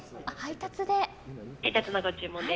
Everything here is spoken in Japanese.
配達のご注文で。